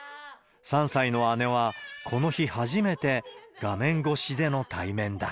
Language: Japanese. ３歳の姉は、この日初めて、画面越しでの対面だ。